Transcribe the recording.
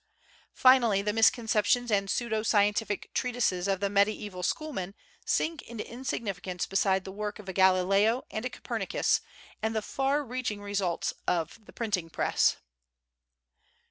Finally the misconceptions and pseudo scientific treatises of the medieval schoolmen sink into insignificance beside the work of a Galileo and a Copernicus and the far reaching results of the printing press.